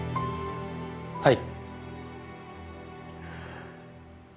はい。